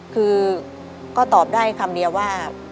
คือก็ตอบได้คำเดียวว่า